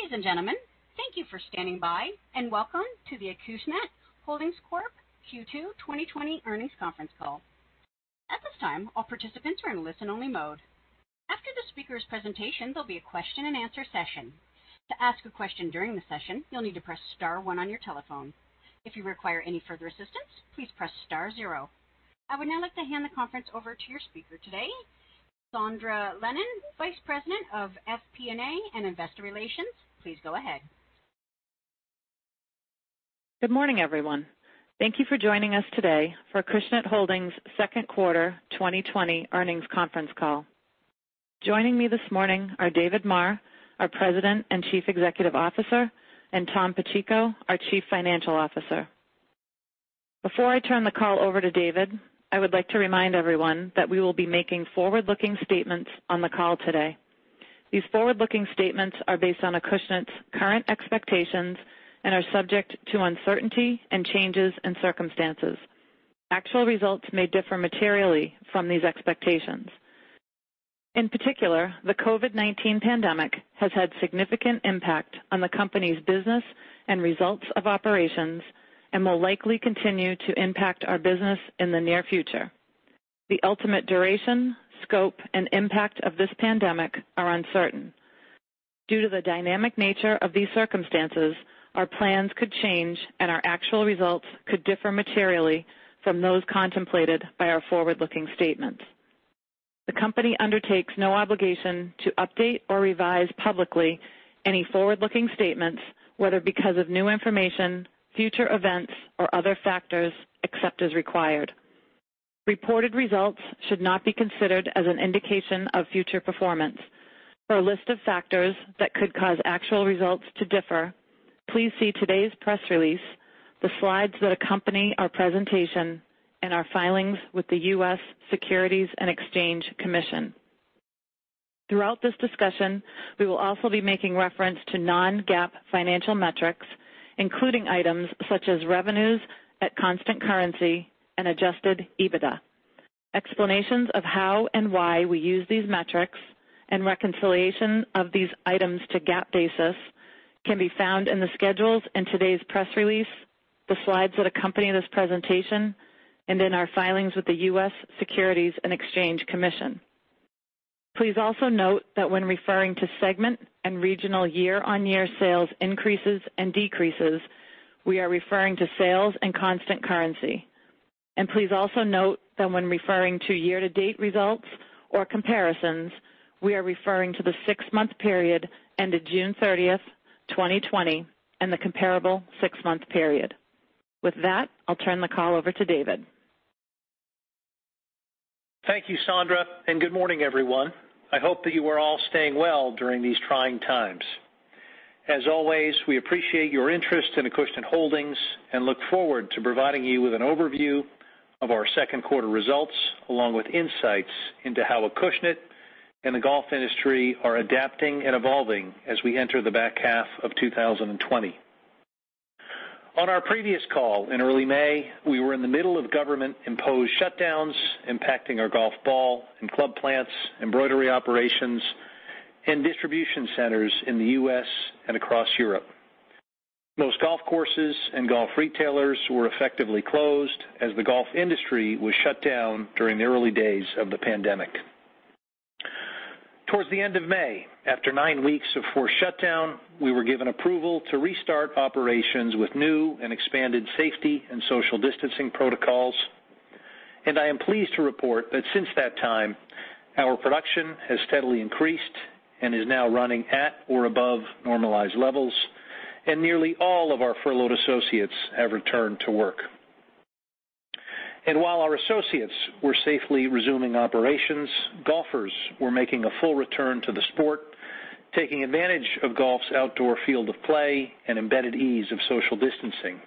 Ladies and gentlemen, thank you for standing by, and welcome to the Acushnet Holdings Corp Q2 2020 earnings conference call. At this time, all participants are in listen-only mode. After the speaker's presentation, there'll be a question and answer session. To ask a question during the session, you'll need to press star one on your telephone. If you require any further assistance, please press star zero. I would now like to hand the conference over to your speaker today, Sondra Lennon, Vice President of FP&A and Investor Relations. Please go ahead. Good morning, everyone. Thank you for joining us today for Acushnet Holdings second quarter 2020 earnings conference call. Joining me this morning are David Maher, our President and Chief Executive Officer, and Tom Pacheco, our Chief Financial Officer. Before I turn the call over to David, I would like to remind everyone that we will be making forward-looking statements on the call today. These forward-looking statements are based on Acushnet's current expectations and are subject to uncertainty and changes in circumstances. Actual results may differ materially from these expectations. In particular, the COVID-19 pandemic has had significant impact on the company's business and results of operations and will likely continue to impact our business in the near future. The ultimate duration, scope, and impact of this pandemic are uncertain. Due to the dynamic nature of these circumstances, our plans could change and our actual results could differ materially from those contemplated by our forward-looking statements. The company undertakes no obligation to update or revise publicly any forward-looking statements, whether because of new information, future events, or other factors, except as required. Reported results should not be considered as an indication of future performance. For a list of factors that could cause actual results to differ, please see today's press release, the slides that accompany our presentation, and our filings with the US Securities and Exchange Commission. Throughout this discussion, we will also be making reference to non-GAAP financial metrics, including items such as revenues at constant currency and adjusted EBITDA. Explanations of how and why we use these metrics and reconciliation of these items to GAAP basis can be found in the schedules in today's press release, the slides that accompany this presentation, and in our filings with the US Securities and Exchange Commission. Please also note that when referring to segment and regional year-on-year sales increases and decreases, we are referring to sales and constant currency. Please also note that when referring to year-to-date results or comparisons, we are referring to the six-month period ended June 30th, 2020, and the comparable six-month period. With that, I'll turn the call over to David. Thank you, Sondra, and good morning, everyone. I hope that you are all staying well during these trying times. As always, we appreciate your interest in Acushnet Holdings and look forward to providing you with an overview of our second quarter results, along with insights into how Acushnet and the golf industry are adapting and evolving as we enter the back half of 2020. On our previous call in early May, we were in the middle of government-imposed shutdowns impacting our golf ball and club plants, embroidery operations, and distribution centers in the U.S. and across Europe. Most golf courses and golf retailers were effectively closed as the golf industry was shut down during the early days of the pandemic. Towards the end of May, after nine weeks of forced shutdown, we were given approval to restart operations with new and expanded safety and social distancing protocols, I am pleased to report that since that time, our production has steadily increased and is now running at or above normalized levels, Nearly all of our furloughed associates have returned to work. While our associates were safely resuming operations, golfers were making a full return to the sport, taking advantage of golf's outdoor field of play and embedded ease of social distancing.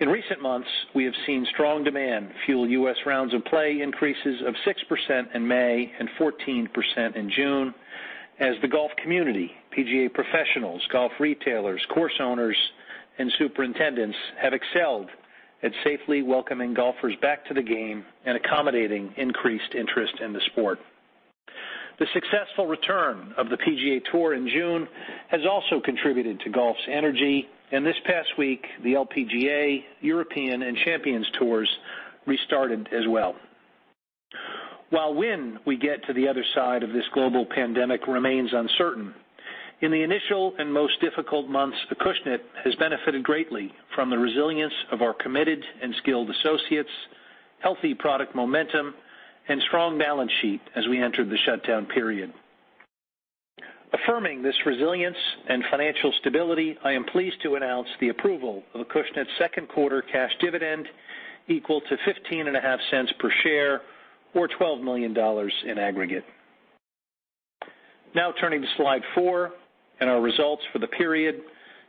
In recent months, we have seen strong demand fuel U.S. rounds of play increases of 6% in May and 14% in June, as the golf community, PGA professionals, golf retailers, course owners, and superintendents have excelled at safely welcoming golfers back to the game and accommodating increased interest in the sport. The successful return of the PGA Tour in June has also contributed to golf's energy, and this past week, the LPGA, European, and Champions Tours restarted as well. While when we get to the other side of this global pandemic remains uncertain, in the initial and most difficult months, Acushnet has benefited greatly from the resilience of our committed and skilled associates, healthy product momentum, and strong balance sheet as we entered the shutdown period. Affirming this resilience and financial stability, I am pleased to announce the approval of Acushnet's second quarter cash dividend equal to $0.155 per share or $12 million in aggregate. Now, turning to slide four and our results for the period.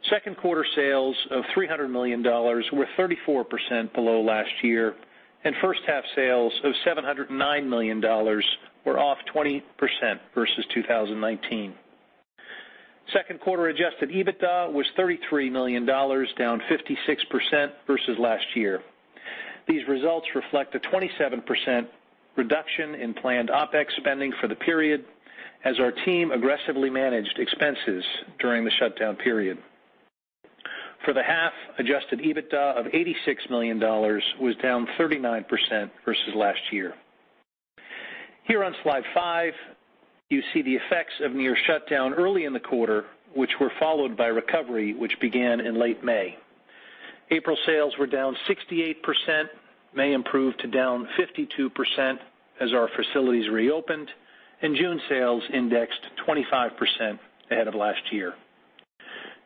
Second quarter sales of $300 million were 34% below last year, and first half sales of $709 million were off 20% versus 2019. Second quarter adjusted EBITDA was $33 million, down 56% versus last year. These results reflect a 27% reduction in planned OpEx spending for the period, as our team aggressively managed expenses during the shutdown period. For the half, adjusted EBITDA of $86 million was down 39% versus last year. Here on slide five, you see the effects of near shutdown early in the quarter, which were followed by recovery, which began in late May. April sales were down 68%, May improved to down 52% as our facilities reopened, and June sales indexed 25% ahead of last year.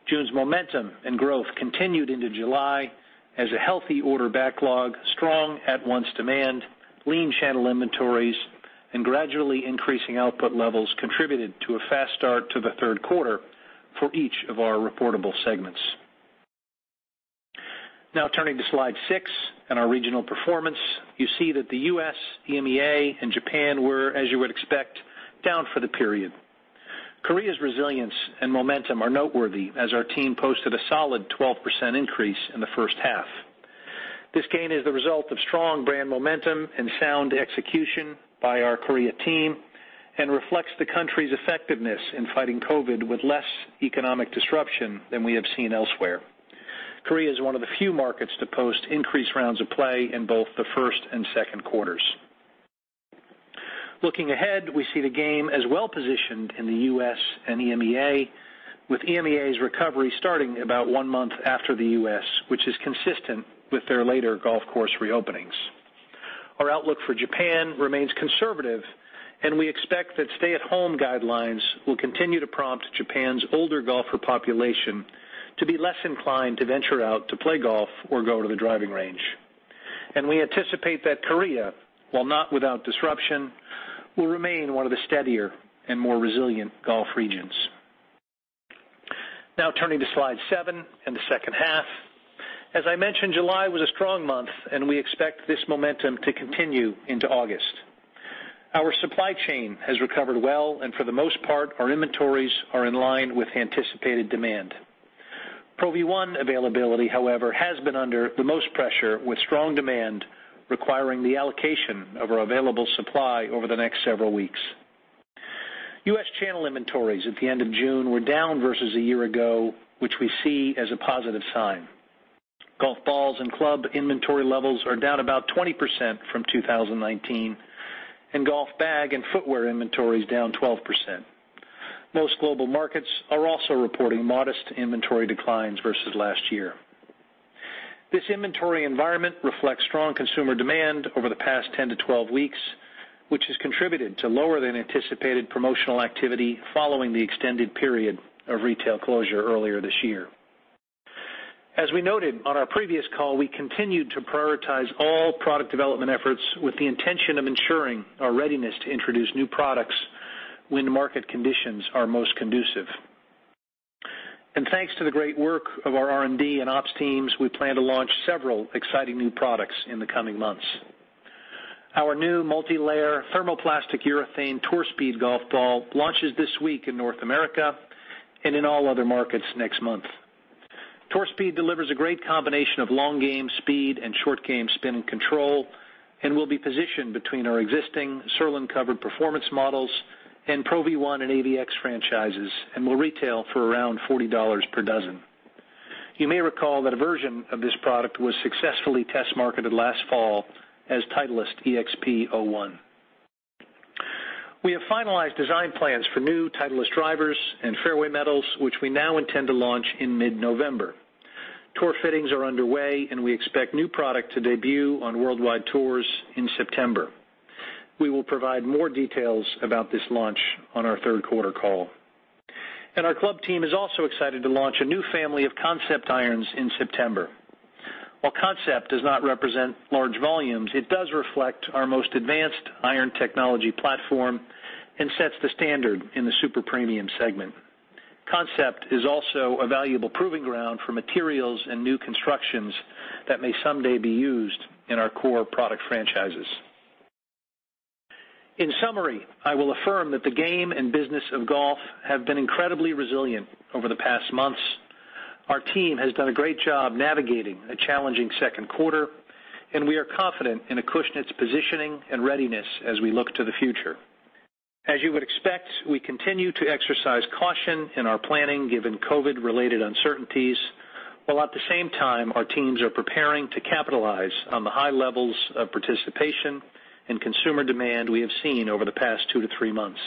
June's momentum and growth continued into July as a healthy order backlog, strong at-once demand, lean channel inventories, and gradually increasing output levels contributed to a fast start to the third quarter for each of our reportable segments. Now turning to slide six and our regional performance. You see that the U.S., EMEA, and Japan were, as you would expect, down for the period. Korea's resilience and momentum are noteworthy as our team posted a solid 12% increase in the first half. This gain is the result of strong brand momentum and sound execution by our Korea team and reflects the country's effectiveness in fighting COVID-19 with less economic disruption than we have seen elsewhere. Korea is one of the few markets to post increased rounds of play in both the first and second quarters. Looking ahead, we see the game as well-positioned in the U.S. and EMEA, with EMEA's recovery starting about one month after the U.S., which is consistent with their later golf course reopenings. Our outlook for Japan remains conservative. We expect that stay-at-home guidelines will continue to prompt Japan's older golfer population to be less inclined to venture out to play golf or go to the driving range. We anticipate that Korea, while not without disruption, will remain one of the steadier and more resilient golf regions. Now turning to slide seven and the second half. As I mentioned, July was a strong month and we expect this momentum to continue into August. Our supply chain has recovered well, and for the most part, our inventories are in line with anticipated demand. Pro V1 availability, however, has been under the most pressure, with strong demand requiring the allocation of our available supply over the next several weeks. U.S. channel inventories at the end of June were down versus a year ago, which we see as a positive sign. Golf balls and club inventory levels are down about 20% from 2019, and golf bag and footwear inventory is down 12%. Most global markets are also reporting modest inventory declines versus last year. This inventory environment reflects strong consumer demand over the past 10 to 12 weeks, which has contributed to lower than anticipated promotional activity following the extended period of retail closure earlier this year. As we noted on our previous call, we continued to prioritize all product development efforts with the intention of ensuring our readiness to introduce new products when market conditions are most conducive. Thanks to the great work of our R&D and ops teams, we plan to launch several exciting new products in the coming months. Our new multilayer thermoplastic urethane Tour Speed golf ball launches this week in North America, and in all other markets next month. Tour Speed delivers a great combination of long game speed and short game spin and control and will be positioned between our existing Surlyn covered performance models and Pro V1 and AVX franchises and will retail for around $40 per dozen. You may recall that a version of this product was successfully test marketed last fall as Titleist EXP01. We have finalized design plans for new Titleist drivers and fairway metals, which we now intend to launch in mid-November. We expect new product to debut on worldwide tours in September. We will provide more details about this launch on our third quarter call. Our club team is also excited to launch a new family of CNCPT irons in September. While CNCPT does not represent large volumes, it does reflect our most advanced iron technology platform and sets the standard in the super premium segment. CNCPT is also a valuable proving ground for materials and new constructions that may someday be used in our core product franchises. In summary, I will affirm that the game and business of golf have been incredibly resilient over the past months. Our team has done a great job navigating a challenging second quarter, and we are confident in Acushnet's positioning and readiness as we look to the future. As you would expect, we continue to exercise caution in our planning given COVID-related uncertainties, while at the same time, our teams are preparing to capitalize on the high levels of participation and consumer demand we have seen over the past two to three months.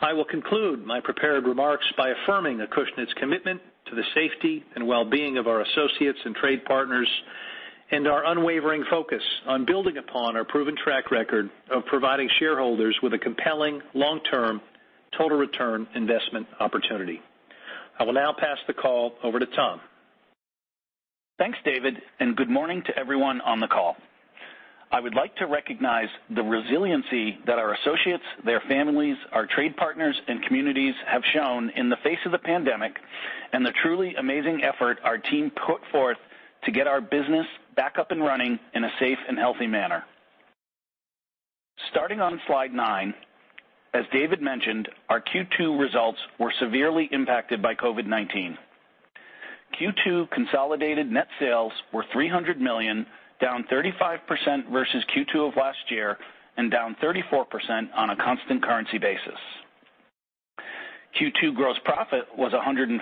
I will conclude my prepared remarks by affirming Acushnet's commitment to the safety and well-being of our associates and trade partners and our unwavering focus on building upon our proven track record of providing shareholders with a compelling long-term total return investment opportunity. I will now pass the call over to Tom. Thanks, David. Good morning to everyone on the call. I would like to recognize the resiliency that our associates, their families, our trade partners, and communities have shown in the face of the pandemic and the truly amazing effort our team put forth to get our business back up and running in a safe and healthy manner. Starting on slide nine, as David mentioned, our Q2 results were severely impacted by COVID-19. Q2 consolidated net sales were $300 million, down 35% versus Q2 of last year, and down 34% on a constant currency basis. Q2 gross profit was $157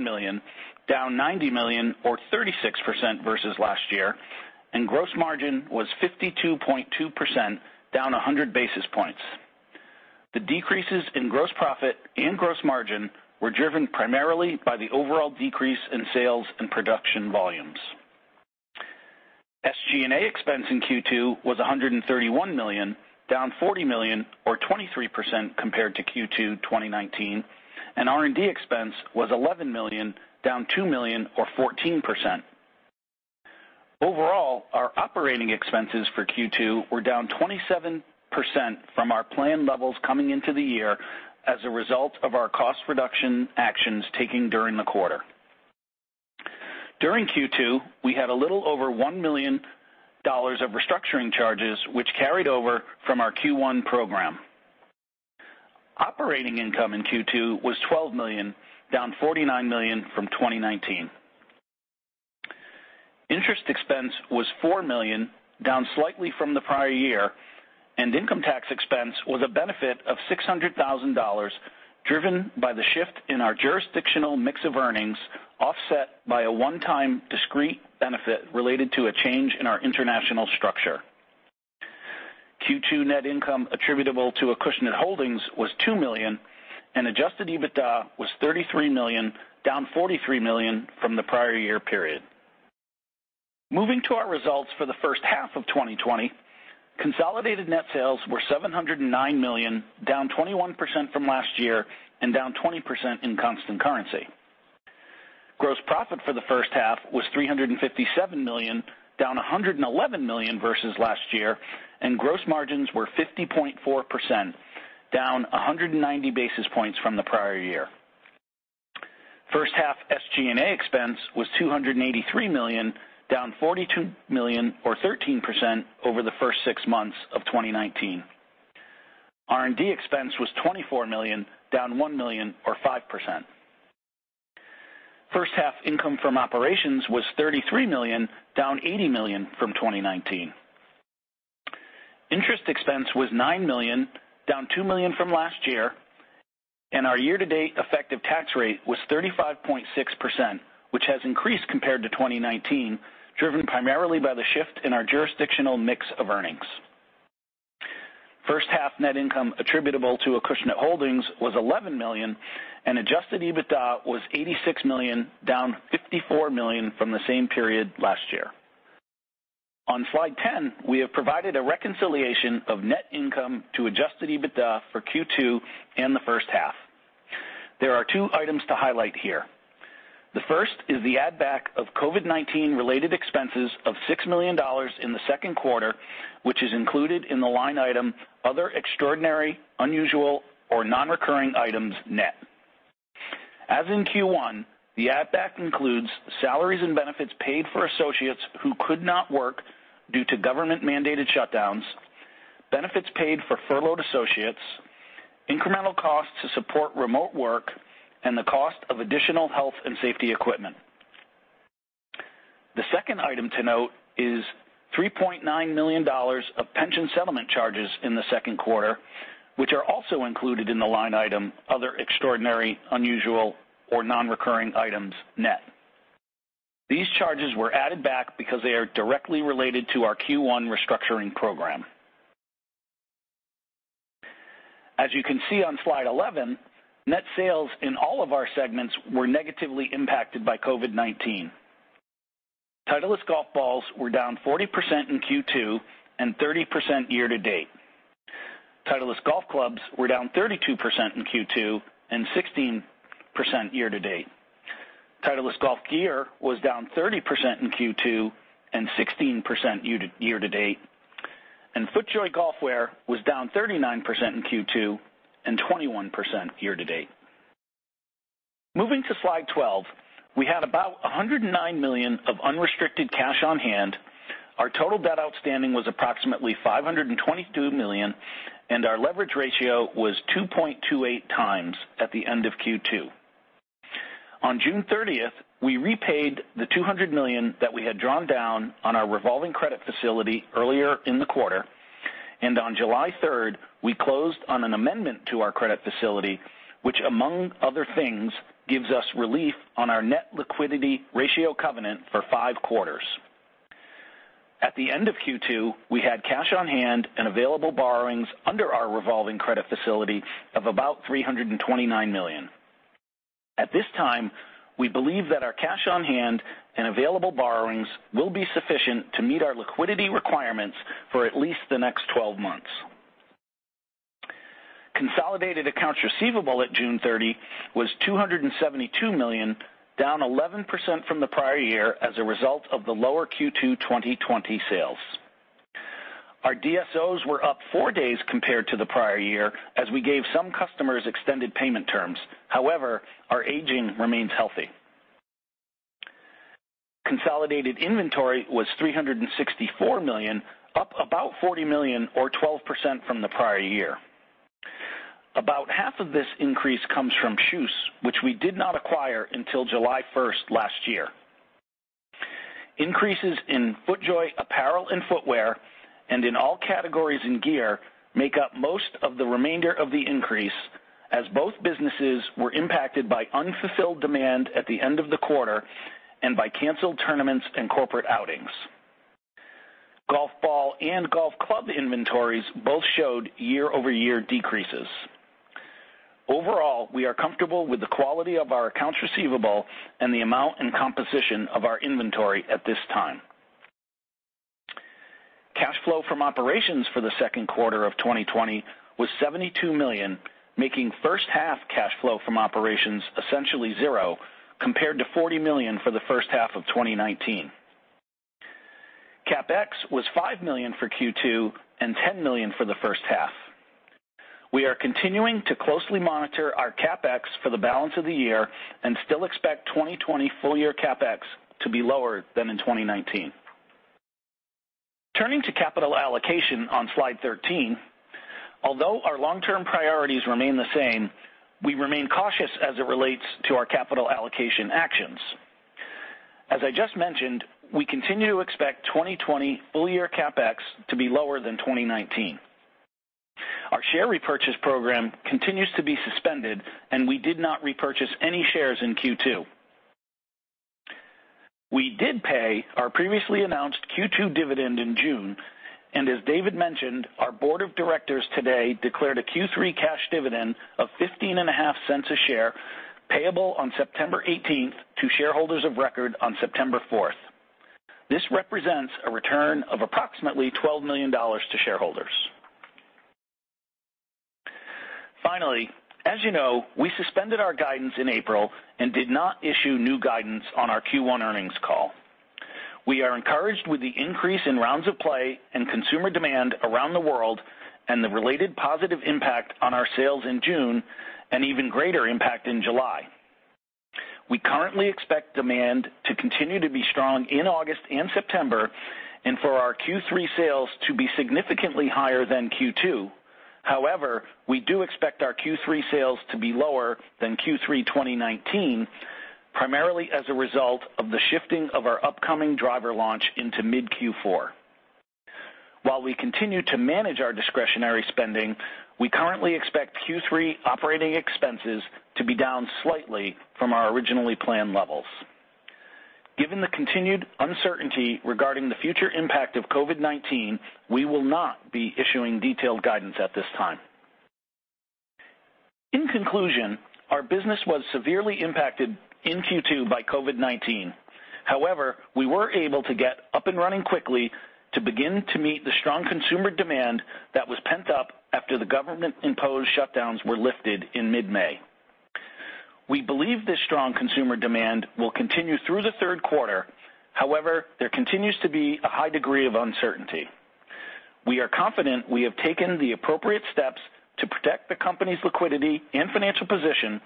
million, down $90 million or 36% versus last year, and gross margin was 52.2%, down 100 basis points. The decreases in gross profit and gross margin were driven primarily by the overall decrease in sales and production volumes. SG&A expense in Q2 was $131 million, down $40 million or 23% compared to Q2 2019, and R&D expense was $11 million, down $2 million or 14%. Overall, our operating expenses for Q2 were down 27% from our planned levels coming into the year as a result of our cost reduction actions taken during the quarter. During Q2, we had a little over $1 million of restructuring charges which carried over from our Q1 program. Operating income in Q2 was $12 million, down $49 million from 2019. Interest expense was $4 million, down slightly from the prior year, and income tax expense was a benefit of $600,000, driven by the shift in our jurisdictional mix of earnings, offset by a one-time discrete benefit related to a change in our international structure. Q2 net income attributable to Acushnet Holdings was $2 million, and adjusted EBITDA was $33 million, down $43 million from the prior year period. Moving to our results for the first half of 2020, consolidated net sales were $709 million, down 21% from last year and down 20% in constant currency. Gross profit for the first half was $357 million, down $111 million versus last year, and gross margins were 50.4%, down 190 basis points from the prior year. First half SG&A expense was $283 million, down $42 million or 13% over the first six months of 2019. R&D expense was $24 million, down $1 million or 5%. First half income from operations was $33 million, down $80 million from 2019. Interest expense was $9 million, down $2 million from last year, and our year-to-date effective tax rate was 35.6%, which has increased compared to 2019, driven primarily by the shift in our jurisdictional mix of earnings. First half net income attributable to Acushnet Holdings was $11 million, and adjusted EBITDA was $86 million, down $54 million from the same period last year. On slide 10, we have provided a reconciliation of net income to adjusted EBITDA for Q2 and the first half. There are two items to highlight here. The first is the add back of COVID-19 related expenses of $6 million in the second quarter, which is included in the line item other extraordinary, unusual, or non-recurring items net. As in Q1, the add back includes salaries and benefits paid for associates who could not work due to government-mandated shutdowns, benefits paid for furloughed associates, incremental costs to support remote work, and the cost of additional health and safety equipment. The second item to note is $3.9 million of pension settlement charges in the second quarter, which are also included in the line item other extraordinary, unusual, or non-recurring items net. These charges were added back because they are directly related to our Q1 restructuring program. As you can see on slide 11, net sales in all of our segments were negatively impacted by COVID-19. Titleist golf balls were down 40% in Q2 and 30% year-to-date. Titleist golf clubs were down 32% in Q2 and 16% year-to-date. Titleist golf gear was down 30% in Q2 and 16% year-to-date. FootJoy golf wear was down 39% in Q2 and 21% year to date. Moving to slide 12, we had about $109 million of unrestricted cash on hand. Our total debt outstanding was approximately $522 million, and our leverage ratio was 2.28x at the end of Q2. On June 30th, we repaid the $200 million that we had drawn down on our revolving credit facility earlier in the quarter. On July 3rd, we closed on an amendment to our credit facility, which, among other things, gives us relief on our net liquidity ratio covenant for five quarters. At the end of Q2, we had cash on hand and available borrowings under our revolving credit facility of about $329 million. At this time, we believe that our cash on hand and available borrowings will be sufficient to meet our liquidity requirements for at least the next 12 months. Consolidated accounts receivable at June 30 was $272 million, down 11% from the prior year as a result of the lower Q2 2020 sales. Our DSOs were up four days compared to the prior year as we gave some customers extended payment terms. Our aging remains healthy. Consolidated inventory was $364 million, up about $40 million or 12% from the prior year. About half of this increase comes from KJUS, which we did not acquire until July 1st last year. Increases in FootJoy apparel and footwear, and in all categories in gear, make up most of the remainder of the increase, as both businesses were impacted by unfulfilled demand at the end of the quarter and by canceled tournaments and corporate outings. Golf ball and golf club inventories both showed year-over-year decreases. Overall, we are comfortable with the quality of our accounts receivable and the amount and composition of our inventory at this time. Cash flow from operations for the second quarter of 2020 was $72 million, making first half cash flow from operations essentially zero, compared to $40 million for the first half of 2019. CapEx was $5 million for Q2 and $10 million for the first half. We are continuing to closely monitor our CapEx for the balance of the year and still expect 2020 full year CapEx to be lower than in 2019. Turning to capital allocation on slide 13, although our long-term priorities remain the same, we remain cautious as it relates to our capital allocation actions. As I just mentioned, we continue to expect 2020 full year CapEx to be lower than 2019. Our share repurchase program continues to be suspended, and we did not repurchase any shares in Q2. We did pay our previously announced Q2 dividend in June, and as David mentioned, our board of directors today declared a Q3 cash dividend of $0.155 a share, payable on September 18th to shareholders of record on September 4th. This represents a return of approximately $12 million to shareholders. Finally, as you know, we suspended our guidance in April and did not issue new guidance on our Q1 earnings call. We are encouraged with the increase in rounds of play and consumer demand around the world, and the related positive impact on our sales in June, and even greater impact in July. We currently expect demand to continue to be strong in August and September, and for our Q3 sales to be significantly higher than Q2. We do expect our Q3 sales to be lower than Q3 2019, primarily as a result of the shifting of our upcoming driver launch into mid-Q4. While we continue to manage our discretionary spending, we currently expect Q3 OpEx to be down slightly from our originally planned levels. Given the continued uncertainty regarding the future impact of COVID-19, we will not be issuing detailed guidance at this time. In conclusion, our business was severely impacted in Q2 by COVID-19. We were able to get up and running quickly to begin to meet the strong consumer demand that was pent up after the government-imposed shutdowns were lifted in mid-May. We believe this strong consumer demand will continue through the third quarter, however, there continues to be a high degree of uncertainty. We are confident we have taken the appropriate steps to protect the company's liquidity and financial position,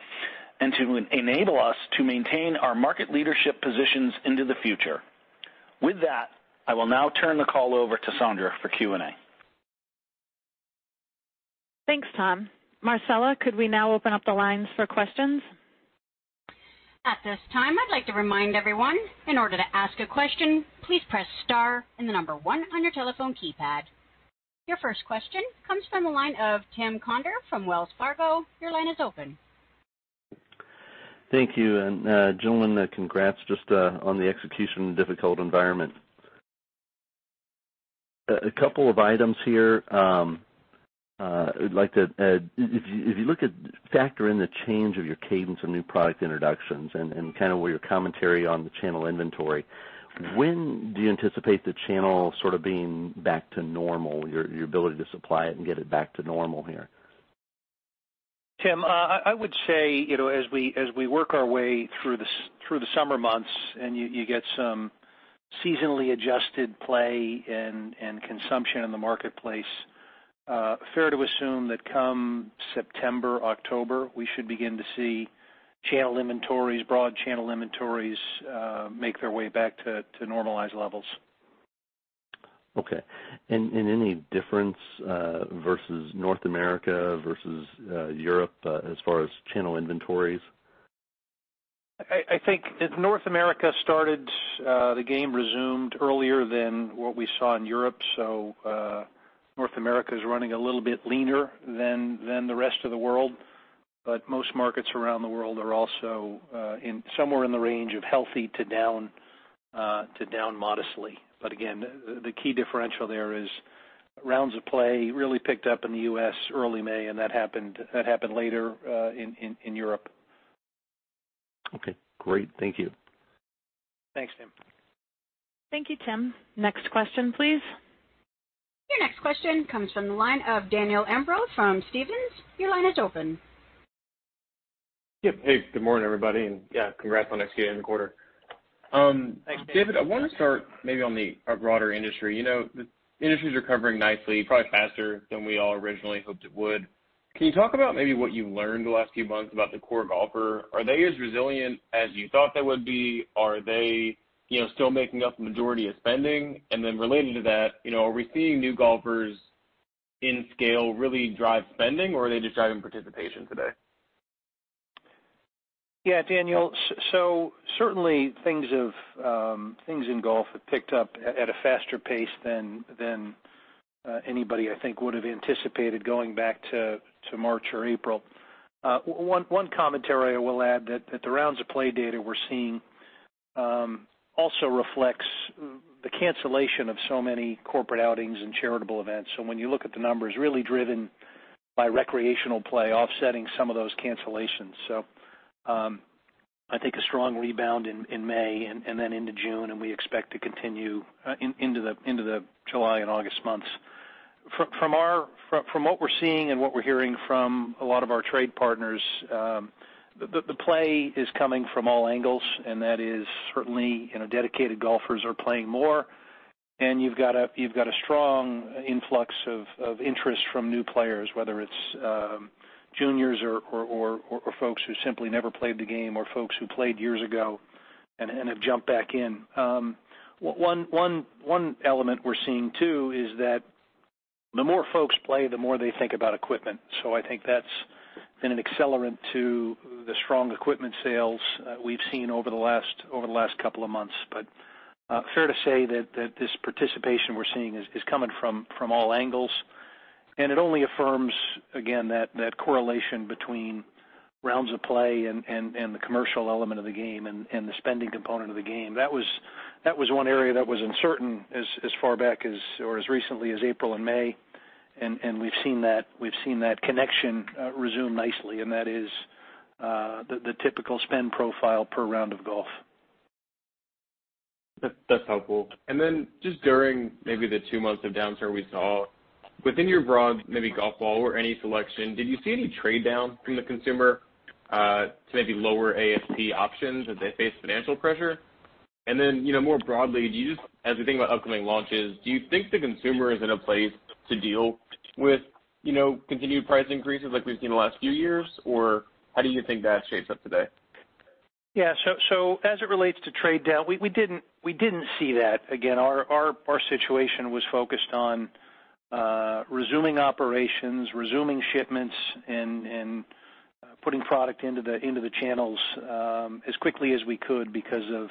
and to enable us to maintain our market leadership positions into the future. With that, I will now turn the call over to Sondra for Q&A. Thanks, Tom. Marcella, could we now open up the lines for questions? At this time, I'd like to remind everyone, in order to ask a question, please press star and the number one on your telephone keypad. Your first question comes from the line of Tim Conder from Wells Fargo. Your line is open. Thank you, gentlemen, congrats just on the execution in a difficult environment. A couple of items here. If you look at factor in the change of your cadence of new product introductions and kind of where your commentary on the channel inventory, when do you anticipate the channel sort of being back to normal, your ability to supply it and get it back to normal here? Tim, I would say, as we work our way through the summer months and you get some seasonally adjusted play and consumption in the marketplace, fair to assume that come September, October, we should begin to see channel inventories, broad channel inventories, make their way back to normalized levels. Okay. Any difference versus North America versus Europe as far as channel inventories? I think North America started, the game resumed earlier than what we saw in Europe, so North America is running a little bit leaner than the rest of the world. Most markets around the world are also somewhere in the range of healthy to down modestly. Again, the key differential there is rounds of play really picked up in the U.S. early May, and that happened later in Europe. Okay, great. Thank you. Thanks, Tim. Thank you, Tim. Next question, please. Your next question comes from the line of Daniel Imbro from Stephens. Your line is open. Yep. Hey, good morning, everybody, and yeah, congrats on executing the quarter. Thanks, Daniel. David, I want to start maybe on the broader industry. The industry's recovering nicely, probably faster than we all originally hoped it would. Can you talk about maybe what you've learned the last few months about the core golfer? Are they as resilient as you thought they would be? Are they still making up the majority of spending? Then related to that, are we seeing new golfers in scale really drive spending, or are they just driving participation today? Yeah, Daniel, certainly things in golf have picked up at a faster pace than anybody I think would have anticipated going back to March or April. One commentary I will add that the rounds of play data we're seeing also reflects the cancellation of so many corporate outings and charitable events, when you look at the numbers, really driven by recreational play offsetting some of those cancellations. I think a strong rebound in May and then into June, and we expect to continue into the July and August months. From what we're seeing and what we're hearing from a lot of our trade partners, the play is coming from all angles, and that is certainly dedicated golfers are playing more, and you've got a strong influx of interest from new players, whether it's juniors or folks who simply never played the game, or folks who played years ago and have jumped back in. One element we're seeing too is that the more folks play, the more they think about equipment. I think that's been an accelerant to the strong equipment sales we've seen over the last couple of months. Fair to say that this participation we're seeing is coming from all angles, and it only affirms, again, that correlation between rounds of play and the commercial element of the game and the spending component of the game. That was one area that was uncertain as far back as, or as recently as April and May, and we've seen that connection resume nicely, and that is the typical spend profile per round of golf. That's helpful. Just during maybe the two months of downturn we saw, within your broad maybe golf ball or any selection, did you see any trade down from the consumer to maybe lower ASP options as they face financial pressure? More broadly, as you think about upcoming launches, do you think the consumer is in a place to deal with continued price increases like we've seen the last few years, or how do you think that shapes up today? Yeah. As it relates to trade down, we didn't see that. Our situation was focused on resuming operations, resuming shipments, and putting product into the channels as quickly as we could because of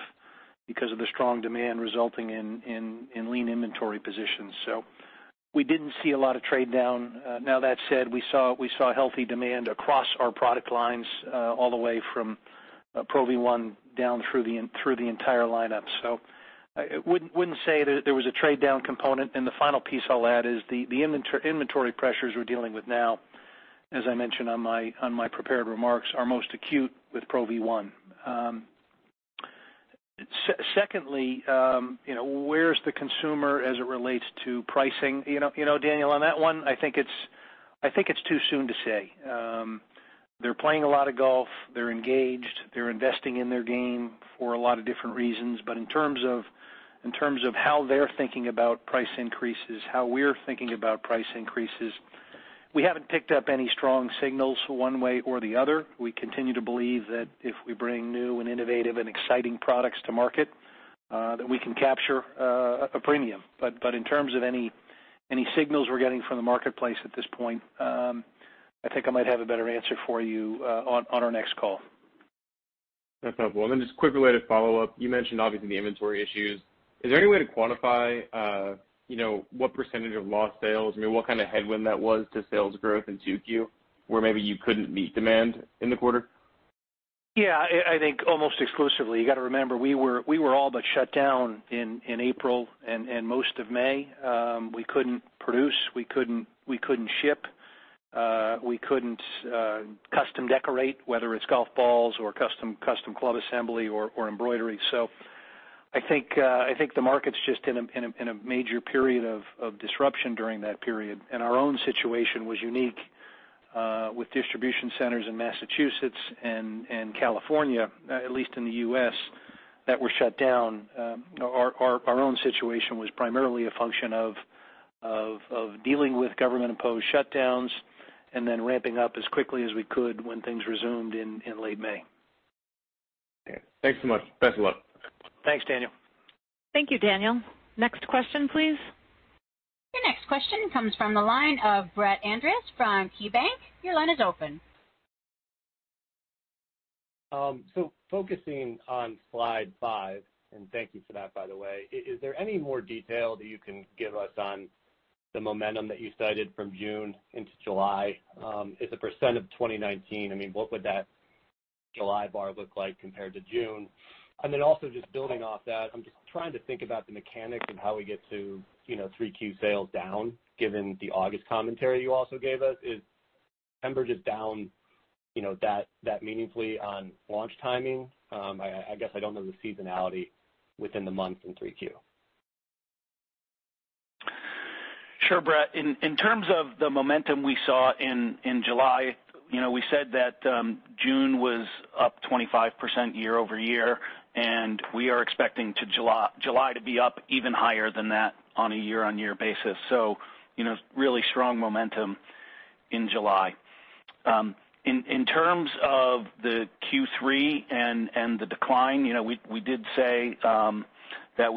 the strong demand resulting in lean inventory positions. We didn't see a lot of trade down. Now that said, we saw healthy demand across our product lines all the way from Pro V1 down through the entire lineup. I wouldn't say that there was a trade down component, and the final piece I'll add is the inventory pressures we're dealing with now, as I mentioned on my prepared remarks, are most acute with Pro V1. Secondly, where's the consumer as it relates to pricing? Daniel, on that one, I think it's too soon to say. They're playing a lot of golf. They're engaged. They're investing in their game for a lot of different reasons. In terms of how they're thinking about price increases, how we're thinking about price increases, we haven't picked up any strong signals one way or the other. We continue to believe that if we bring new and innovative and exciting products to market, that we can capture a premium. In terms of any signals we're getting from the marketplace at this point, I think I might have a better answer for you on our next call. That's helpful. Just a quick related follow-up. You mentioned obviously the inventory issues. Is there any way to quantify what percentage of lost sales, what kind of headwind that was to sales growth in 2Q, where maybe you couldn't meet demand in the quarter? Yeah, I think almost exclusively. You got to remember, we were all but shut down in April and most of May. We couldn't produce, we couldn't ship, we couldn't custom decorate, whether it's golf balls or custom club assembly or embroidery. I think the market's just in a major period of disruption during that period, and our own situation was unique with distribution centers in Massachusetts and California, at least in the U.S., that were shut down. Our own situation was primarily a function of dealing with government-imposed shutdowns and then ramping up as quickly as we could when things resumed in late May. Okay. Thanks so much. Best of luck. Thanks, Daniel. Thank you, Daniel. Next question, please. Your next question comes from the line of Brett Andress from KeyBanc. Your line is open. Focusing on slide five, and thank you for that, by the way, is there any more detail that you can give us on the momentum that you cited from June into July? As a percent of 2019, what would that July bar look like compared to June? also just building off that, I'm just trying to think about the mechanics of how we get to 3Q sales down, given the August commentary you also gave us. Is September just down that meaningfully on launch timing? I guess I don't know the seasonality within the month in 3Q. Sure, Brett. In terms of the momentum we saw in July. We said that June was up 25% year-over-year, we are expecting July to be up even higher than that on a year-on-year basis. Really strong momentum in July. In terms of the Q3 and the decline, we did say that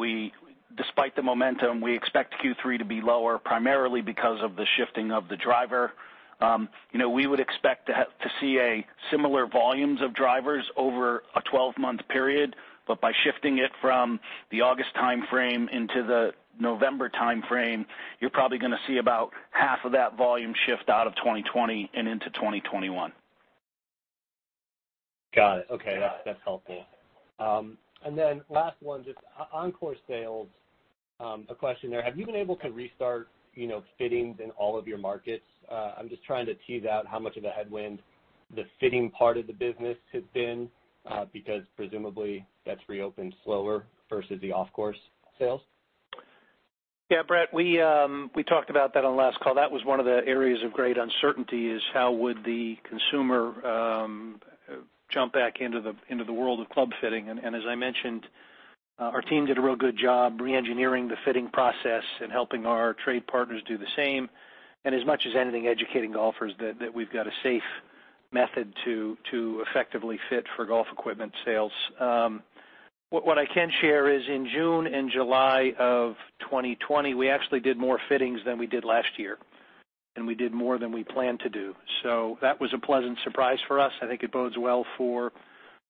despite the momentum, we expect Q3 to be lower, primarily because of the shifting of the driver. We would expect to see similar volumes of drivers over a 12-month period, by shifting it from the August timeframe into the November timeframe, you're probably going to see about half of that volume shift out of 2020 and into 2021. Got it. Okay. That's helpful. Last one, just on-course sales, a question there, have you been able to restart fittings in all of your markets? I'm just trying to tease out how much of a headwind the fitting part of the business has been, because presumably, that's reopened slower versus the off-course sales. Brett, we talked about that on the last call. That was one of the areas of great uncertainty is how would the consumer jump back into the world of club fitting. As I mentioned, our team did a real good job re-engineering the fitting process and helping our trade partners do the same. As much as anything, educating golfers that we've got a safe method to effectively fit for golf equipment sales. What I can share is in June and July of 2020, we actually did more fittings than we did last year, and we did more than we planned to do. That was a pleasant surprise for us. I think it bodes well for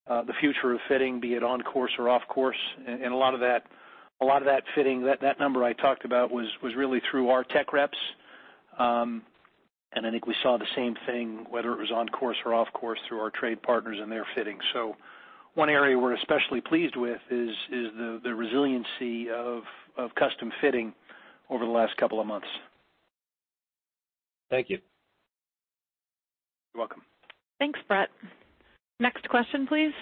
the future of fitting, be it on course or off course. A lot of that fitting, that number I talked about was really through our tech reps. I think we saw the same thing, whether it was on course or off course, through our trade partners and their fitting. One area we're especially pleased with is the resiliency of custom fitting over the last couple of months. Thank you. You're welcome. Thanks, Brett. Next question, please.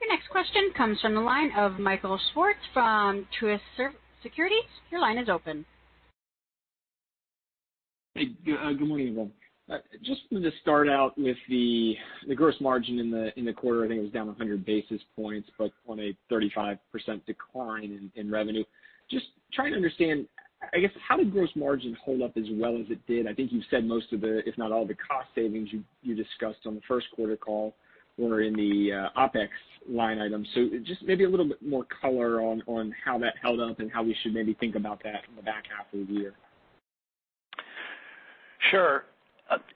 Your next question comes from the line of Michael Swartz from Truist Securities. Your line is open. Hey, good morning, everyone. Just to start out with the gross margin in the quarter, I think it was down 100 basis points, but on a 35% decline in revenue. Just trying to understand, I guess, how did gross margin hold up as well as it did? I think you said most of the, if not all the cost savings you discussed on the first quarter call were in the OpEx line item. Just maybe a little bit more color on how that held up and how we should maybe think about that in the back half of the year. Sure.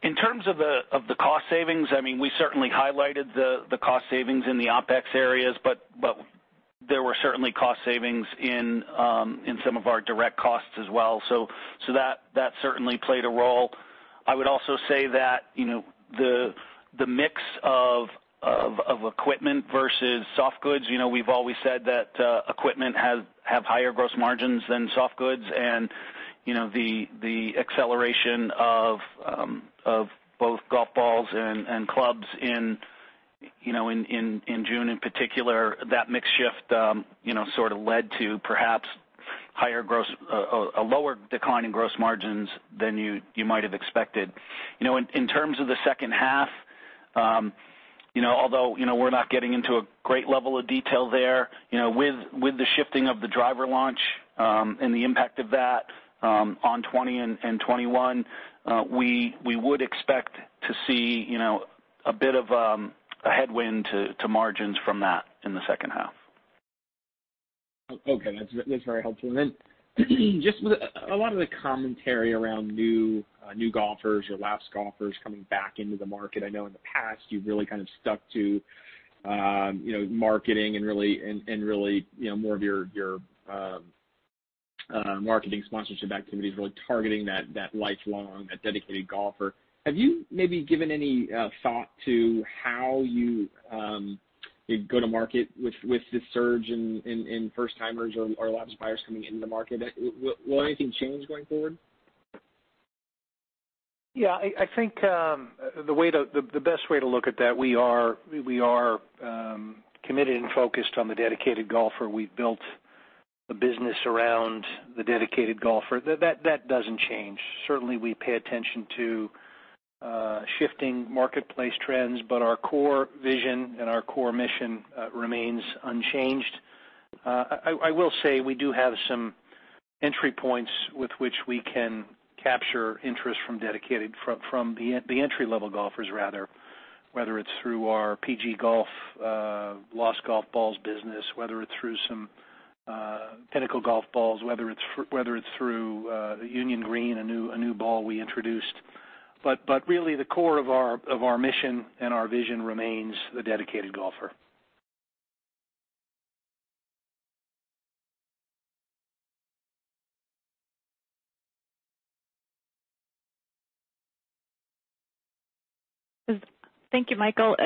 In terms of the cost savings, we certainly highlighted the cost savings in the OpEx areas, there were certainly cost savings in some of our direct costs as well. That certainly played a role. I would also say that the mix of equipment versus soft goods, we've always said that equipment have higher gross margins than soft goods, the acceleration of both golf balls and clubs in June in particular, that mix shift sort of led to perhaps a lower decline in gross margins than you might have expected. In terms of the second half, although we're not getting into a great level of detail there, with the shifting of the driver launch and the impact of that on 2020 and 2021, we would expect to see a bit of a headwind to margins from that in the second half. Okay. That's very helpful. Just a lot of the commentary around new golfers or lapsed golfers coming back into the market. I know in the past, you've really kind of stuck to marketing and really more of your marketing sponsorship activities, really targeting that lifelong, that dedicated golfer. Have you maybe given any thought to how you go to market with this surge in first-timers or lapsed buyers coming into the market? Will anything change going forward? I think the best way to look at that, we are committed and focused on the dedicated golfer. We've built a business around the dedicated golfer. That doesn't change. Certainly, we pay attention to shifting marketplace trends, but our core vision and our core mission remains unchanged. I will say we do have some entry points with which we can capture interest from the entry-level golfers, rather, whether it's through our PG Golf lost golf balls business, whether it's through some Pinnacle golf balls, whether it's through Union Green, a new ball we introduced. Really the core of our mission and our vision remains the dedicated golfer. Thank you, Michael.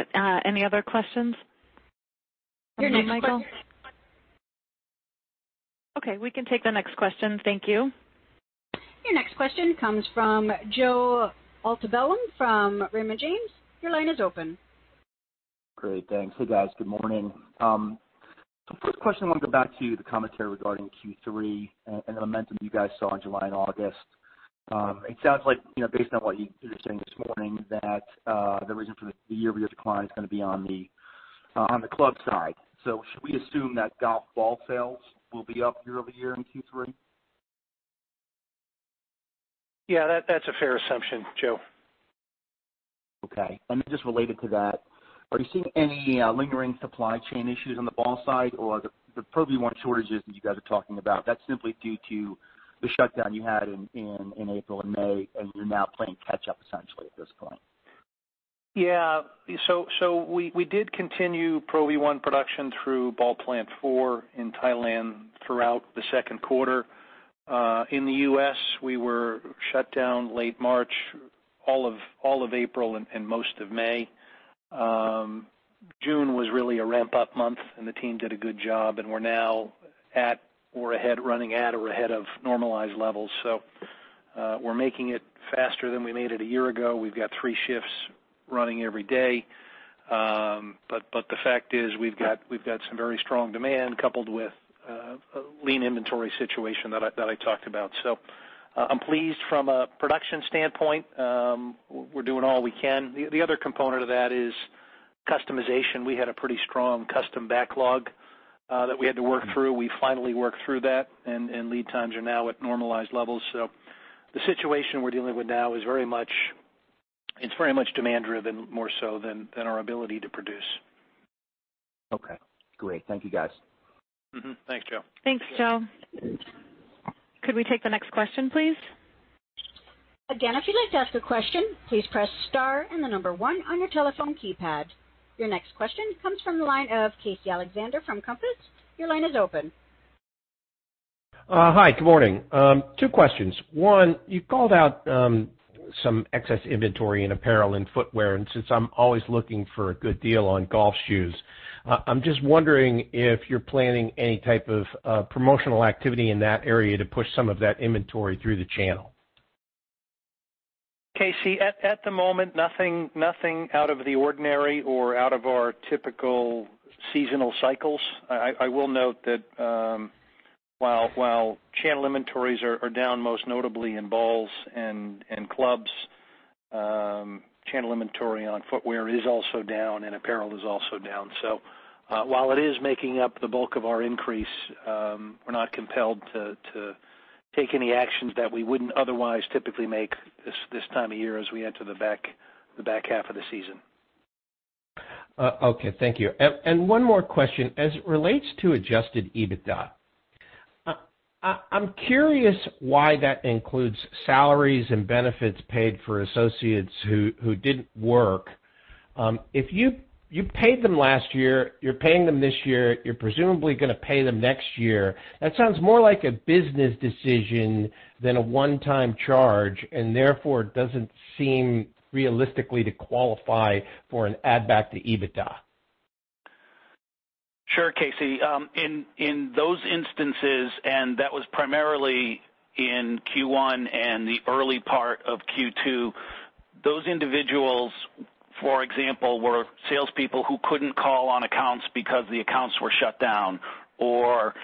Any other questions? Your next question. Okay, we can take the next question. Thank you. Your next question comes from Joe Altobello from Raymond James. Your line is open. Great. Thanks. Hey, guys. Good morning. First question, I want to go back to the commentary regarding Q3 and the momentum you guys saw in July and August. It sounds like, based on what you were saying this morning, that the reason for the year-over-year decline is going to be on the club side. Should we assume that golf ball sales will be up year-over-year in Q3? Yeah, that's a fair assumption, Joe. Okay. Just related to that, are you seeing any lingering supply chain issues on the ball side or the Pro V1 shortages that you guys are talking about, that's simply due to the shutdown you had in April and May, and you're now playing catch up essentially at this point? We did continue Pro V1 production through Ball Plant 4 in Thailand throughout the second quarter. In the U.S., we were shut down late March, all of April, and most of May. June was really a ramp-up month, and the team did a good job, and we're now running at or ahead of normalized levels. We're making it faster than we made it a year ago. We've got three shifts running every day. The fact is we've got some very strong demand coupled with a lean inventory situation that I talked about. I'm pleased from a production standpoint. We're doing all we can. The other component of that is customization. We had a pretty strong custom backlog that we had to work through. We finally worked through that, and lead times are now at normalized levels. The situation we're dealing with now, it's very much demand-driven more so than our ability to produce. Okay, great. Thank you, guys. Mm-hmm. Thanks, Joe. Thanks, Joe. Could we take the next question, please? Again, if you'd like to ask a question, please press star and the number 1 on your telephone keypad. Your next question comes from the line of Casey Alexander from Compass. Your line is open. Hi. Good morning. Two questions. You called out some excess inventory in apparel and footwear, and since I'm always looking for a good deal on golf shoes, I'm just wondering if you're planning any type of promotional activity in that area to push some of that inventory through the channel. Casey, at the moment, nothing out of the ordinary or out of our typical seasonal cycles. I will note that while channel inventories are down, most notably in balls and in clubs, channel inventory on footwear is also down, and apparel is also down. While it is making up the bulk of our increase, we're not compelled to take any actions that we wouldn't otherwise typically make this time of year as we enter the back half of the season. Okay. Thank you. One more question. As it relates to adjusted EBITDA, I'm curious why that includes salaries and benefits paid for associates who didn't work. You paid them last year, you're paying them this year, you're presumably going to pay them next year. That sounds more like a business decision than a one-time charge, and therefore, it doesn't seem realistically to qualify for an add back to EBITDA. Sure, Casey. In those instances, that was primarily in Q1 and the early part of Q2, those individuals, for example, were salespeople who couldn't call on accounts because the accounts were shut down or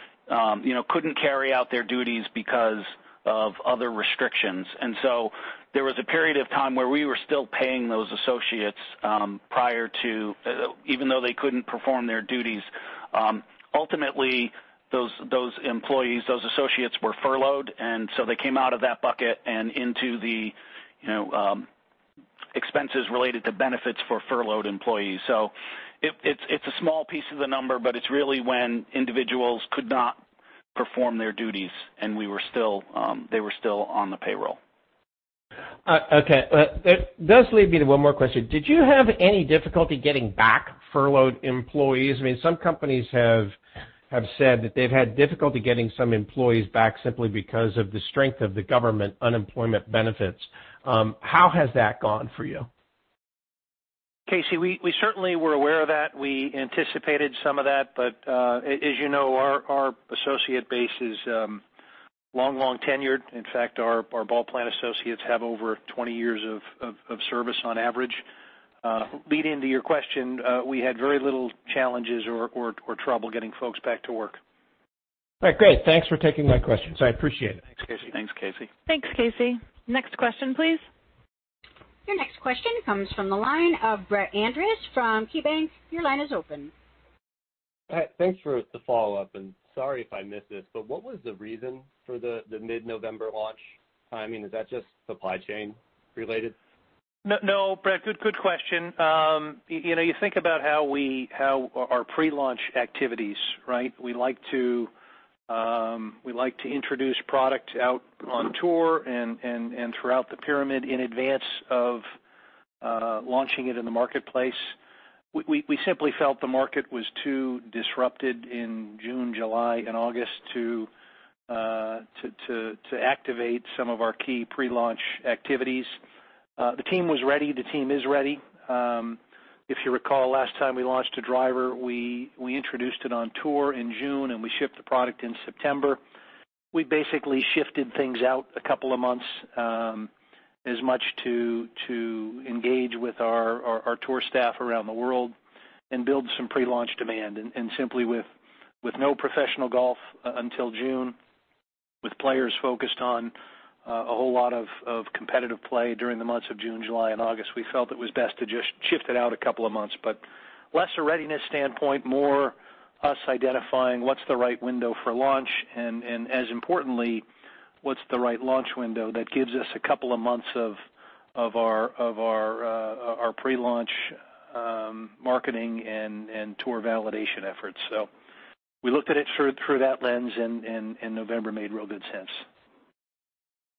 couldn't carry out their duties because of other restrictions. There was a period of time where we were still paying those associates even though they couldn't perform their duties. Ultimately, those employees, those associates were furloughed. They came out of that bucket and into the expenses related to benefits for furloughed employees. It's a small piece of the number, but it's really when individuals could not perform their duties, and they were still on the payroll. That does lead me to one more question. Did you have any difficulty getting back furloughed employees? Some companies have said that they've had difficulty getting some employees back simply because of the strength of the government unemployment benefits. How has that gone for you? Casey, we certainly were aware of that. We anticipated some of that. As you know, our associate base is long tenured. In fact, our ball plant associates have over 20 years of service on average. Leading to your question, we had very little challenges or trouble getting folks back to work. All right, great. Thanks for taking my questions. I appreciate it. Thanks, Casey. Thanks, Casey. Next question, please. Your next question comes from the line of Brett Andress from KeyBanc. Your line is open. Hi. Thanks for the follow-up, and sorry if I missed this, but what was the reason for the mid-November launch timing? Is that just supply chain related? No, Brett. Good question. You think about our pre-launch activities, right? We like to introduce product out on tour and throughout the pyramid in advance of launching it in the marketplace. We simply felt the market was too disrupted in June, July, and August to activate some of our key pre-launch activities. The team was ready. The team is ready. If you recall, last time we launched a driver, we introduced it on tour in June, and we shipped the product in September. We basically shifted things out a couple of months as much to engage with our tour staff around the world and build some pre-launch demand. Simply with no professional golf until June, with players focused on a whole lot of competitive play during the months of June, July, and August, we felt it was best to just shift it out a couple of months. Less a readiness standpoint, more us identifying what's the right window for launch, and as importantly, what's the right launch window that gives us a couple of months of our pre-launch marketing and tour validation efforts. We looked at it through that lens, and November made real good sense.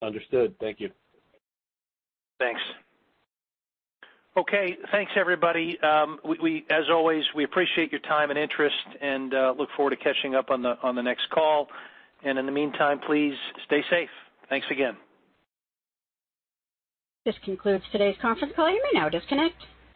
Understood. Thank you. Thanks. Okay, thanks, everybody. As always, we appreciate your time and interest and look forward to catching up on the next call. In the meantime, please stay safe. Thanks again. This concludes today's conference call. You may now disconnect.